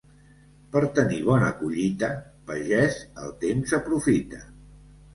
Per tenir bona collita, pagès, el temps aprofita.